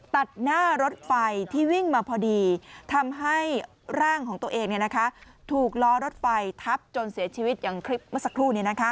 ตัดหน้ารถไฟที่วิ่งมาพอดีทำให้ร่างของตัวเองถูกล้อรถไฟทับจนเสียชีวิตอย่างคลิปเมื่อสักครู่